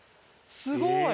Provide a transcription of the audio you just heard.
すごい！